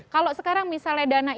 kalau sekarang misalnya dana